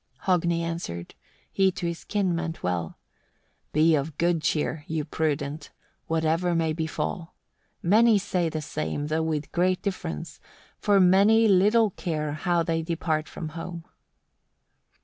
33. Hogni answered he to his kin meant well "Be of good cheer, ye prudent! whatever may befall. Many say the same, though with great difference; for many little care how they depart from home."